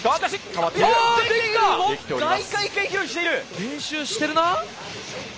練習してるな！